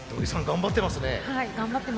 頑張ってますね。